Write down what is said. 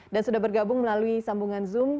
dan sudah bergabung melalui sambungan zoom